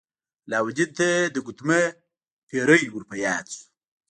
علاوالدین ته د ګوتمۍ پیری ور په یاد شو.